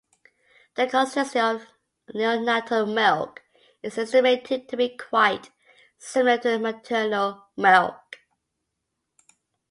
The consistency of neonatal milk is estimated to be quite similar to maternal milk.